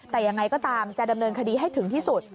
แต่ยังไงก็ตามจะดำเนินคดีให้ถึงที่สุด